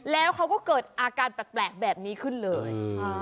แล้วเขาก็เกิดอาการแปลกแบบนี้ขึ้นเลย